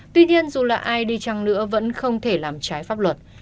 tuy nhiên dù là ai đi chăng nữa vẫn không thể làm trái pháp luật